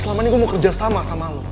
selama ini gue mau kerja sama sama lo